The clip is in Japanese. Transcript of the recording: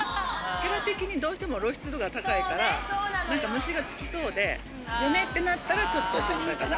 キャラ的にどうしても露出度が高いから、なんか虫がつきそうで、嫁ってなったらちょっと心配かな。